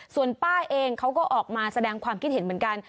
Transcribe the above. ส่วนป้าเองเขาก็ออกมาแสดงความคิดเห็นเหมือนกัน